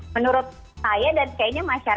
menurut saya dan kayaknya masih ada